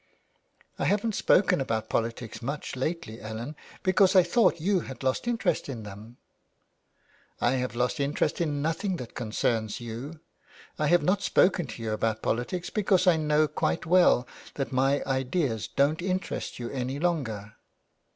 '' 1 haven't spoken about politics much lately, Ellen, because I thought you had lost interest in them.'' " I have lost interest in nothing that concerns you. I have not spoken to you about politics because I know 350 THE WILD GOOSE. quite well that my ideas don't interest you any longer.